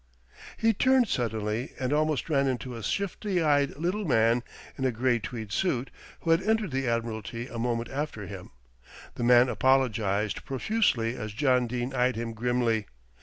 He turned suddenly and almost ran into a shifty eyed little man in a grey tweed suit, who had entered the Admiralty a moment after him. The man apologised profusely as John Dene eyed him grimly.